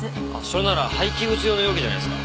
それなら廃棄物用の容器じゃないですか？